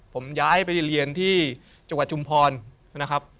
ผมย้ายไปเรียนที่จังหวัดชุมพรนะครับ